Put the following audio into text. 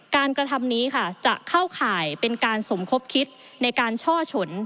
กระทำนี้ค่ะจะเข้าข่ายเป็นการสมคบคิดในการช่อฉน